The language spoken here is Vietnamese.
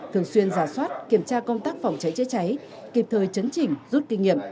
thường xuyên giả soát kiểm tra công tác phòng cháy chữa cháy kịp thời chấn chỉnh rút kinh nghiệm